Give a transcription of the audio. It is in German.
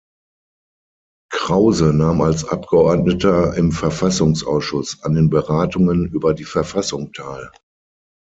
Krause nahm als Abgeordneter im Verfassungsausschuss an den Beratungen über die Verfassung teil.